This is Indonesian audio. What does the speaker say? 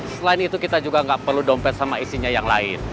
selain itu kita juga nggak perlu dompet sama isinya yang lain